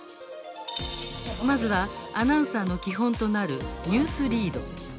まずはアナウンサーの基本となるニュースリード。